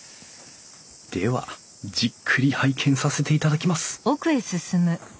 ではじっくり拝見させていただきます